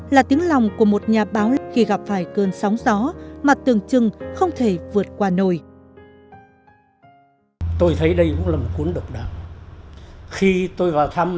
là tiếng lòng của một nhà báo khi gặp phải cơn sóng gió mà tưởng chừng không thể vượt qua nồi